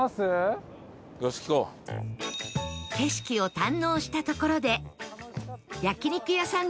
景色を堪能したところで焼肉屋さん